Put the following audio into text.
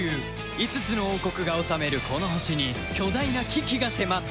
５つの王国が治めるこの星に巨大な危機が迫っている